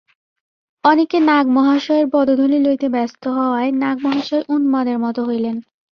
অনেকে নাগ-মহাশয়ের পদধূলি লইতে ব্যস্ত হওয়ায় নাগ-মহাশয় উন্মাদের মত হইলেন।